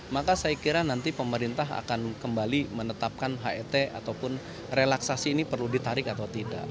maka saya kira nanti pemerintah akan kembali menetapkan het ataupun relaksasi ini perlu ditarik atau tidak